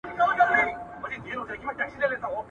غوږونه دې د بې ځایه خبرو په اوریدلو ستومانه مه کوه.